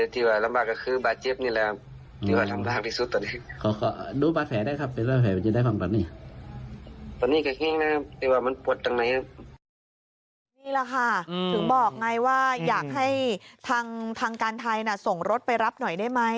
ทางการไทยน่ะส่งรถไปรับหน่อยได้ไหม